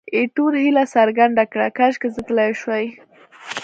ایټور هیله څرګنده کړه، کاشکې زه تلای شوای.